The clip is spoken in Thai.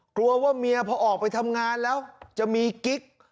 กลัวว่าเมียพอออกไปทำงานแล้วจะมีกิ๊ก